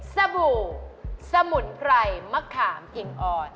สบู่สมุนไพรมะขามอิงอ่อน